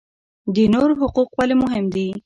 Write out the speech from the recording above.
د نورو حقوق ولې مهم دي؟